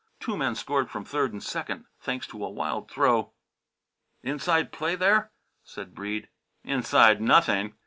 Two men scored from third and second, thanks to a wild throw. "Inside play, there?" said Breede. "Inside, nothing!"